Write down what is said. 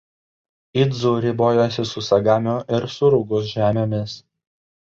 Idzu ribojosi su Sagamio ir Surugos žemėmis.